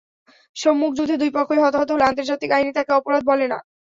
সম্মুখ যুদ্ধে দুই পক্ষই হতাহত হলে আন্তর্জাতিক আইনে তাকে অপরাধ বলে না।